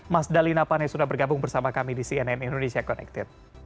mas dalina pane sudah bergabung bersama kami di cnn indonesia connected